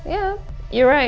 ya kamu benar